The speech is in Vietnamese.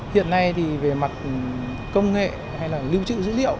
hiện nay thì về mặt công nghệ hay là lưu trữ dữ liệu